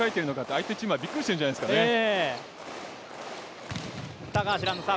相手チームはびっくりしているんじゃないですかね。